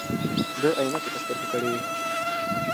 ده عینکې په سترګو کړې وې.